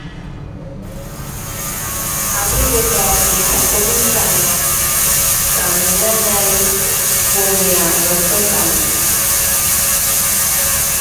Awiroka kisakowintana, kaminanari poña notsinkame.